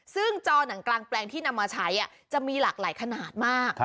ซึ่งจอหนังกลางแปลงที่นำมาใช้จะมีหลากหลายขนาดมาก